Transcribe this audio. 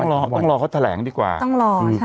ต้องรอต้องรอเขาแถลงดีกว่าต้องรอใช่